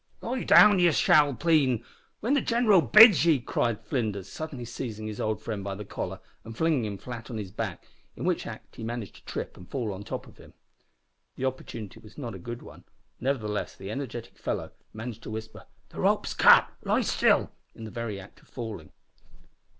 "Lie down, ye spalpeen, whin the gineral bids ye," cried Flinders, suddenly seizing his old friend by the collar and flinging him flat on his back, in which act he managed to trip and fall on the top of him. The opportunity was not a good one, nevertheless the energetic fellow managed to whisper, "The rope's cut! Lie still!" in the very act of falling.